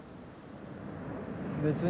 別に。